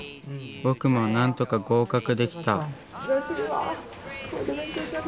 僕も何とか合格できた。